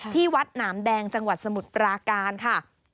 ที่วัดหนามแดงจังหวัดสมุทรปราการค่ะ